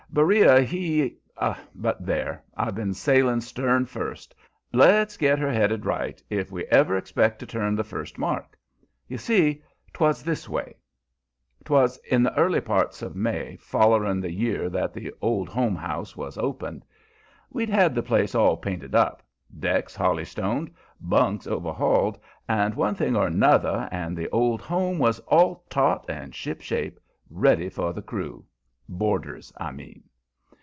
Beriah, he But there! I've been sailing stern first. Let's get her headed right, if we ever expect to turn the first mark. You see, 'twas this way: 'Twas in the early part of May follering the year that the "Old Home House" was opened. We'd had the place all painted up, decks holy stoned, bunks overhauled, and one thing or 'nother, and the "Old Home" was all taut and shipshape, ready for the crew boarders, I mean.